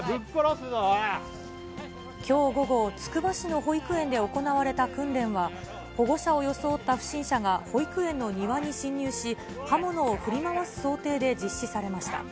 きょう午後、つくば市の保育園で行われた訓練は、保護者を装った不審者が保育園の庭に侵入し、刃物を振り回す想定で実施されました。